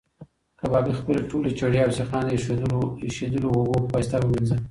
کبابي خپلې ټولې چړې او سیخان د ایشېدلو اوبو په واسطه ومینځل.